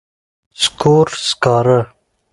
سکور، سکارۀ